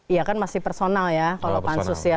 iya kan masih personal ya kalau pansus ya